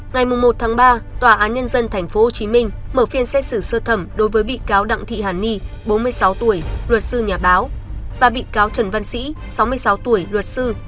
ngày một ba tòa án nhân dân tp hcm mở phiên xét xử sơ thẩm đối với bị cáo đặng thị hàn ni bốn mươi sáu tuổi luật sư nhà báo và bị cáo trần văn sĩ sáu mươi sáu tuổi luật sư